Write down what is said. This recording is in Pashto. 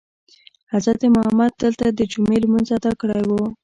حضرت محمد دلته دجمعې لمونځ ادا کړی وو.